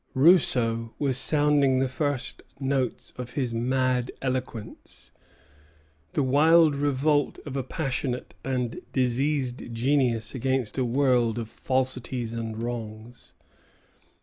Rousseau was sounding the first notes of his mad eloquence, the wild revolt of a passionate and diseased genius against a world of falsities and wrongs.